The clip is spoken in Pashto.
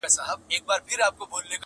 • بیا په سراب کي جنتونه ښيي -